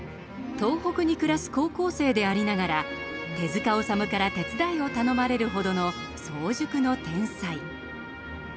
東北に暮らす高校生でありながら手治虫から手伝いを頼まれるほどの早熟の天才。